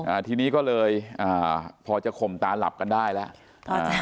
อ่าทีนี้ก็เลยอ่าพอจะข่มตาหลับกันได้แล้วอ่า